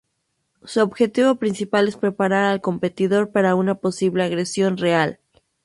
Su objetivo principal es preparar al competidor para una posible agresión real.